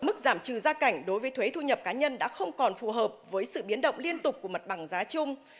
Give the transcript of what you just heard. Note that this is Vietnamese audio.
mức giảm trừ gia cảnh đối với thuế thu nhập cá nhân đã không còn phù hợp với sự biến động liên tục của mặt bằng giá chung